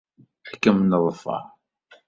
Ad kem-neḍfer.